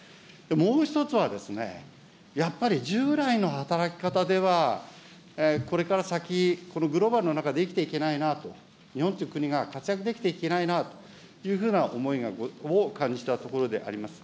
もう一つはやっぱり従来の働き方では、これから先、このグローバルの中で生きていけないなと、日本という国が活躍できていけないなという思いを感じたところであります。